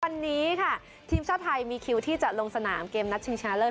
วันนี้ค่ะทีมชาติไทยมีคิวที่จะลงสนามเกมนัดชิงชนะเลิศ